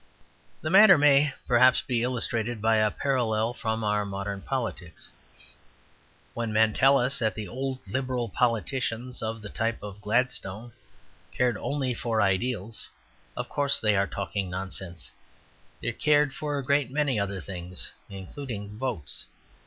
The matter may, perhaps, be illustrated by a parallel from our modern politics. When men tell us that the old Liberal politicians of the type of Gladstone cared only for ideals, of course, they are talking nonsense they cared for a great many other things, including votes.